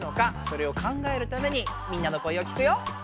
それを考えるためにみんなの声を聞くよ！